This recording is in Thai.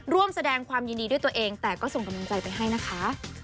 ร่วมแสดงความยินดีด้วยตัวเองแต่ก็ส่งกำลังใจไปให้นะคะ